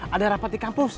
ada rapat di kampus